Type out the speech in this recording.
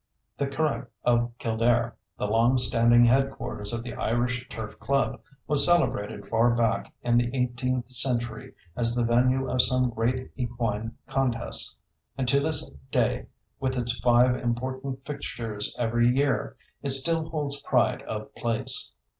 The Curragh of Kildare, the long standing headquarters of the Irish Turf Club, was celebrated far back in the eighteenth century as the venue of some great equine contests; and to this day, with its five important fixtures every year, it still holds pride of place.